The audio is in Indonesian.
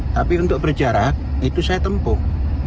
tapi untuk berjarak itu saya tempuh